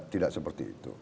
tidak seperti itu